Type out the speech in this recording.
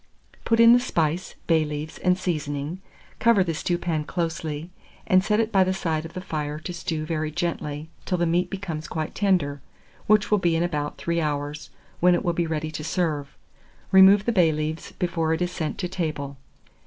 Put in the spice, bay leaves, and seasoning, cover the stewpan closely, and set it by the side of the fire to stew very gently, till the meat becomes quite tender, which will be in about 3 hours, when it will be ready to serve. Remove the bay leaves before it is sent to table.